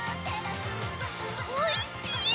おいしい！